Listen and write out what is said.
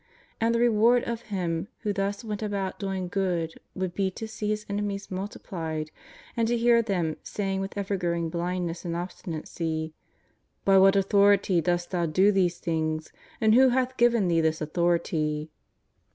And the reward of Him who thus went about doing good would be to see His enemies multiplied and to hear them saying with evergrowing blindness and obstinacy :" By what authority dost Thou do these things ? and who hath given Thee this authority